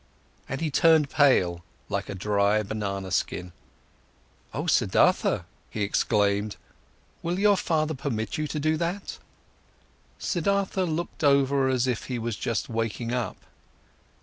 And he turned pale like a dry banana skin. "O Siddhartha," he exclaimed, "will your father permit you to do that?" Siddhartha looked over as if he was just waking up.